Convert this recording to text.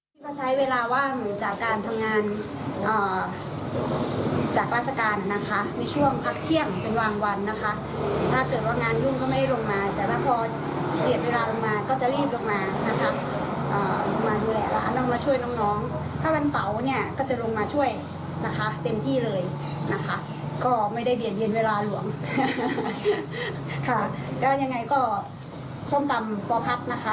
ค่ะก็ยังไงก็ส้มตำประพัทย์นะคะ